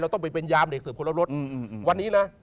ต้องไปเป็นยามเด็กเสิร์ฟคนละรถวันนี้นะ